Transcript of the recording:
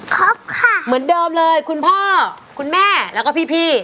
ครับค่ะเหมือนเดิมเลยคุณพ่อคุณแม่แล้วก็พี่